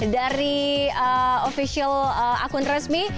dari ofisial akun resmi